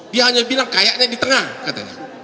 dia hanya bilang kayaknya di tengah katanya